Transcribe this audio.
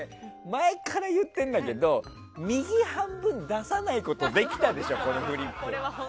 前から言ってんだけど右半分出さないことできたでしょ。